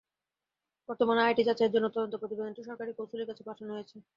বর্তমানে আইনি যাচাইয়ের জন্য তদন্ত প্রতিবেদনটি সরকারি কৌঁসুলির কাছে পাঠানো হয়েছে।